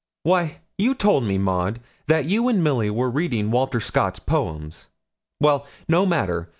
'Why, you told me, Maud, that you and Milly were reading Walter Scott's poems. Well, no matter.